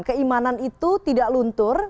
keimanan itu tidak luntur